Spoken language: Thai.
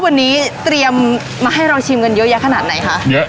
วันนี้เตรียมมาให้เราชิมกันเยอะแยะขนาดไหนคะเยอะ